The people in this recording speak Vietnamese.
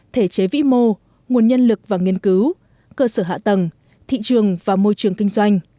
thể chế vĩ mô nguồn nhân lực và nghiên cứu cơ sở hạ tầng thị trường và môi trường kinh doanh